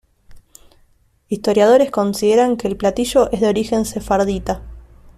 Historiadores consideran que el platillo es de origen sefardita.